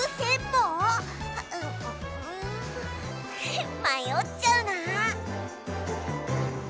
んん迷っちゃうな！